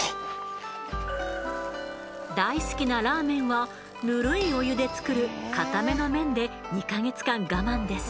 大好きなラーメンはぬるいお湯で作る硬めの麺で２ヵ月間我慢です。